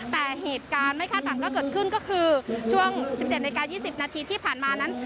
แต่เหตุการณ์ไม่คาดหวังก็เกิดขึ้นก็คือช่วง๑๗นาที๒๐นาทีที่ผ่านมานั้น